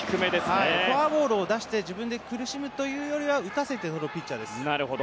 フォアボールを出して自分で苦しむよりは打たせて取るピッチャーです。